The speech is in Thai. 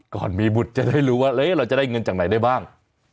ก่อนมีบุตรจะได้รู้ว่าเราจะได้เงินจากไหนได้บ้าง